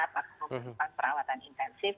atau perawatan intensif